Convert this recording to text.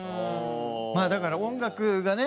まあだから音楽がね